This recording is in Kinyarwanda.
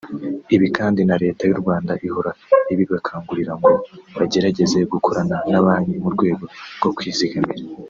Ibi kandi na leta y’ u Rwanda ihora ibibakangurira ngo bagerageze gukorana na banki mu rwego rwo kwizigamira